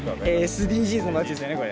ＳＤＧｓのバッジですよねこれ。